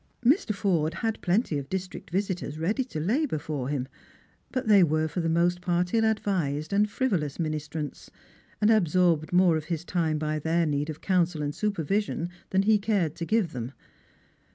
Mr. Forde had plenty of district visitors ready to labour for him ; but they were for the most part ill advised and frivolous ministrants, and absorbed more of his time by their need of counsel and supervision than ho cared to give them.